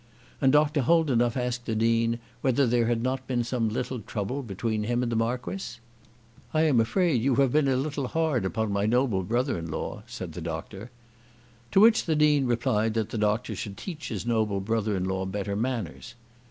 And Dr. Holdenough asked the Dean whether there had not been some little trouble between him and the Marquis. "I am afraid you have been a little hard upon my noble brother in law," said the Doctor. To which the Dean replied that the Doctor should teach his noble brother in law better manners.